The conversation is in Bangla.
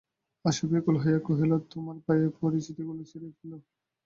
আশা ব্যাকুল হইয়া কহিল, তোমার পায়ে পড়ি, ও চিঠিগুলো ছিঁড়িয়া ফেলো।